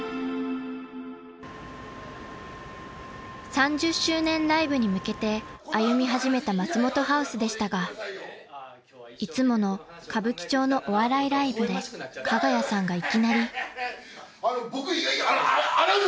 ［３０周年ライブに向けて歩み始めた松本ハウスでしたがいつもの歌舞伎町のお笑いライブで加賀谷さんがいきなり］